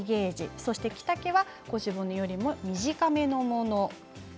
そして、着丈は腰骨よりも短めのもの。